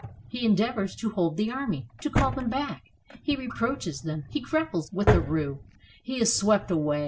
He endeavors to hold the army, to call them back, he re proaches them, he grapples with the rout. He is swept away.